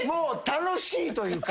楽しいというか。